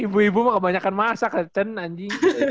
ibu ibu kebanyakan masak katanya anjing